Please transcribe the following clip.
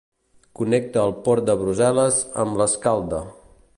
Connecta el port de Brussel·les amb l'Escalda.